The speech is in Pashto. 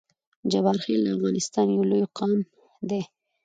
جبارخیل د افغانستان یو لوی قام دی